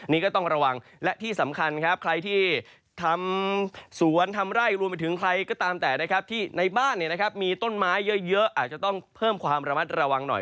นี่ก็ต้องระวังและที่สำคัญครับใครที่ทำสวนทำไร่รวมไปถึงใครก็ตามแต่นะครับที่ในบ้านมีต้นไม้เยอะอาจจะต้องเพิ่มความระมัดระวังหน่อย